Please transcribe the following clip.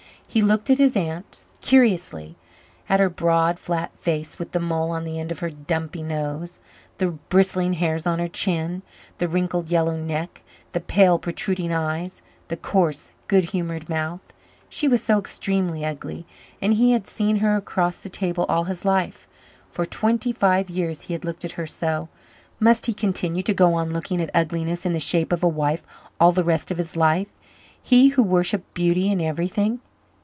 He looked at his aunt curiously at her broad, flat face with the mole on the end of her dumpy nose, the bristling hairs on her chin, the wrinkled yellow neck, the pale, protruding eyes, the coarse, good humoured mouth. She was so extremely ugly and he had seen her across the table all his life. For twenty five years he had looked at her so. Must he continue to go on looking at ugliness in the shape of a wife all the rest of his life he, who worshipped beauty in everything?